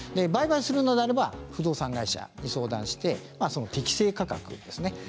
売買するのであれば不動産会社に相談して適正価格ですね